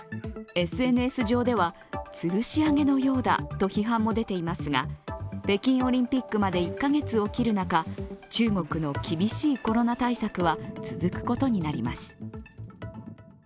ＳＮＳ上では、つるし上げのようだと批判も出ていますが、北京オリンピックまで１カ月を切る中、中国の厳しいコロナ対策は続くことになります。